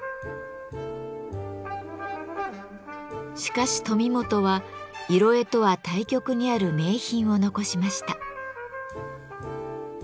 しかし富本は色絵とは対極にある名品を残しました。